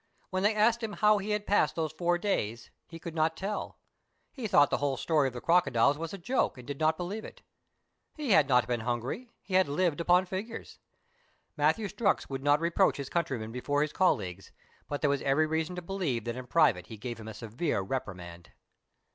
When they asked him how he had passed those four days, he could not tell ; he thought the whole story of the crocodiles was a joke, and did not believe it. He had not been hungry ; he had lived upon figures. Matthew Strux would not reproach his countryman before his colleagues, but there was every reason to believe that in private he gave him a severe reprimand.